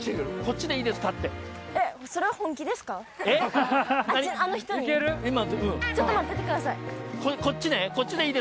ちょっと待っててください。